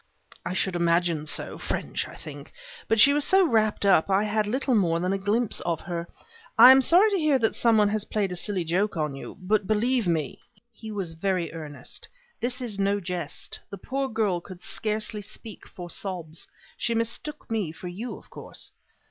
"I should imagine so: French, I think. But she was so wrapped up I had little more than a glimpse of her. I am sorry to hear that some one has played a silly joke on you, but believe me " he was very earnest "this is no jest. The poor girl could scarcely speak for sobs. She mistook me for you, of course."